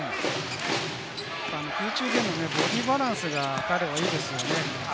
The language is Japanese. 空中でのボディーバランスが彼はいいですよね。